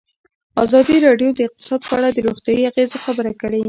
ازادي راډیو د اقتصاد په اړه د روغتیایي اغېزو خبره کړې.